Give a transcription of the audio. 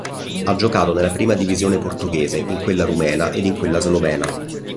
Ha giocato nella prima divisione portoghese, in quella rumena ed in quella slovena.